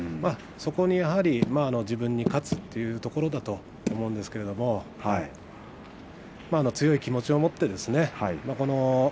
そこにやはり自分に勝つというところだと思うんですけれども強い気持ちを持ってですね